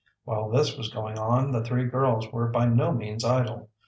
While this was going on the three girls were by no means idle.